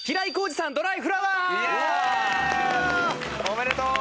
おめでとう！